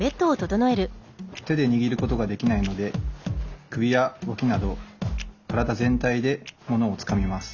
手で握ることができないので首や脇など体全体でものをつかみます。